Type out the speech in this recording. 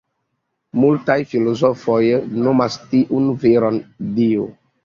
Multaj filozofoj nomas tiun veron “Dio”.